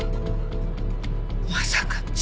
まさか。